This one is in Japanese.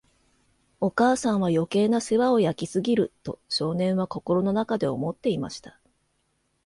お母さんは、余計な世話を焼きすぎる、と少年は心の中で思っていました。